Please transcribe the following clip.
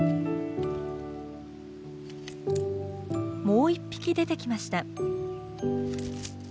もう一匹出てきました。